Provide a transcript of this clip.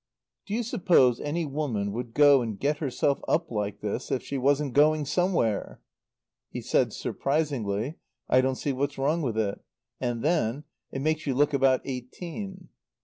"Do you suppose any woman would go and get herself up like this if she wasn't going _some_where?" He said (surprisingly), "I don't see what's wrong with it." And then: "It makes you look about eighteen."